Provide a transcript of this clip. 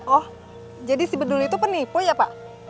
oh jadi si bedulu itu penipu ya pak